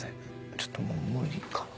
ちょっともう無理かな。